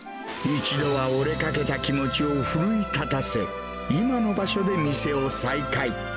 一度は折れかけた気持ちを奮い立たせ、今の場所で店を再開。